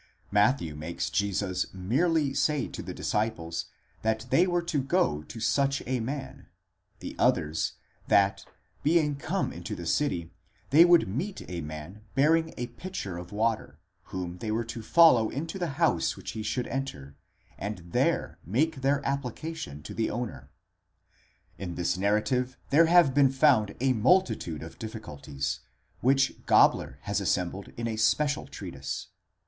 Matthew makes Jesus merely say to the disciples, that they were to go fo such a man, πρὸς τὸν δεῖνα : the others, that, being come into the city, they would meet a man bearing a pitcher of water, whom they were to follow into the house which he should enter, and there make their application to the owner. In this narrative there have been found a multitude of difficulties, which Gabler has assembled in a special treatise.